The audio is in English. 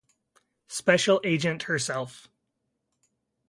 Special Agent herself.